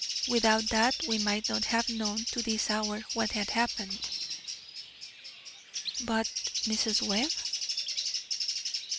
Without that we might not have known to this hour what had happened." "But Mrs. Webb?"